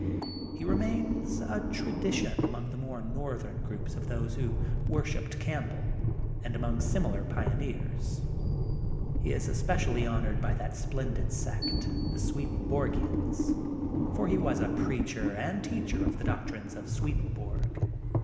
He remains a tradition among the more northern group of those who worshipped Campbell, and THE GOLDEN BOOK OF SPRINGFIELD 7 among similar pioneers. He is especially honored by that splendid sect, the Sweden borgiansy for he was a preacher and teacher of the doctrines of ^wedenborg.